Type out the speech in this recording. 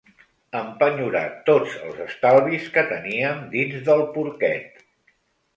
Empenyorar tots els estalvis que teníem dins del porquet.